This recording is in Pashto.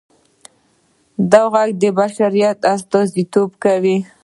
دا غږ د بشریت استازیتوب کوي.